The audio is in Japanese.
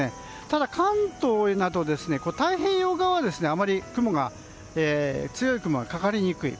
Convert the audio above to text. ただ、関東など太平洋側はあまり強い雲がかかりにくい。